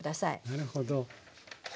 なるほど。